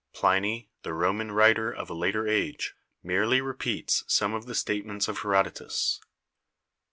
Pliny, the Roman writer of a later age, merely repeats some of the statements of Herodotus.